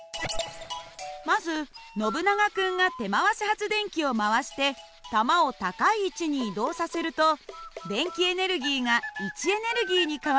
まずノブナガ君が手回し発電機を回して球を高い位置に移動させると電気エネルギーが位置エネルギーに変わります。